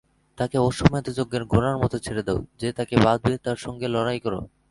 তাকে অশ্বমেধযজ্ঞের ঘোড়ার মতো ছেড়ে দাও, যে তাকে বাঁধবে তার সঙ্গে লড়াই করো।